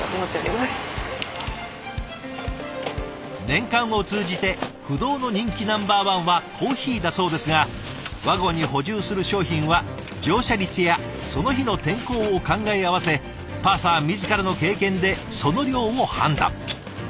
年間を通じて不動の人気ナンバーワンはコーヒーだそうですがワゴンに補充する商品は乗車率やその日の天候を考え合わせパーサー自らの経験でその量を判断。